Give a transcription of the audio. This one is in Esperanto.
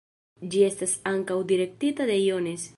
Ĝi estis ankaŭ direktita de Jones.